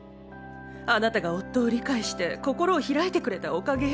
あなたが夫を理解して心を開いてくれたおかげよ。